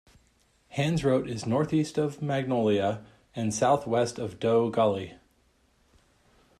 Hansrote is northeast of Magnolia and southwest of Doe Gully.